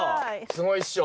すごいっしょ。